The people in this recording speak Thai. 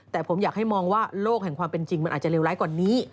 แต่ผมอยากให้มองว่าโลกแห่งความเป็นจริงมันอาจจะเลวร้ายกว่านี้